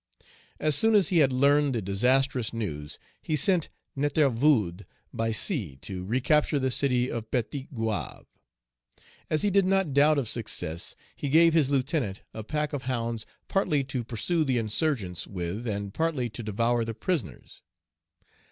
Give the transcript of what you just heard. As soon as he had learned the disastrous news, he sent Nétervood by sea to recapture the city of Petit Goave. As he did not doubt of success, he gave his lieutenant a pack of hounds partly to pursue the insurgents with, and partly to devour the prisoners.